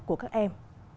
của các em